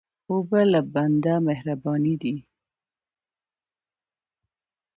اوبه له بنده مهربانې دي.